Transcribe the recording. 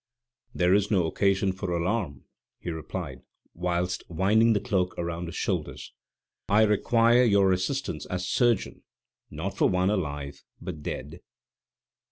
"There is no occasion for alarm," he replied, whilst winding the cloak around his shoulders; "I require your assistance as surgeon, not for one alive, but dead."